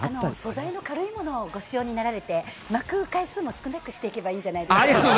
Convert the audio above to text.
素材の軽いものをご使用になられて巻く回数も少なくしていけばいいんじゃないでしょうか？